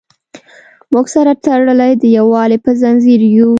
موږ سره تړلي د یووالي په زنځیر یو.